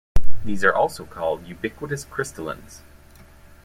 These are also called ubiquitous crystallins.